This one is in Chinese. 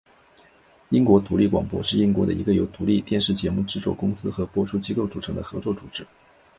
英国独立广播是英国的一个由独立电视节目制作公司和播出机构组成的合作组织。